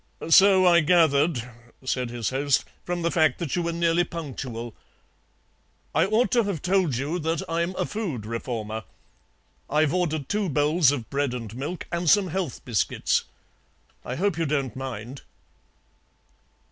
"So I gathered;" said his host, "from the fact that you were nearly punctual. I ought to have told you that I'm a Food Reformer. I've ordered two bowls of bread and milk and some health biscuits. I hope you don't mind."